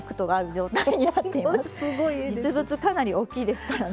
実物かなり大きいですからね。